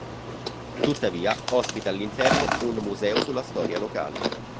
Tuttavia ospita all'interno un museo sulla storia locale.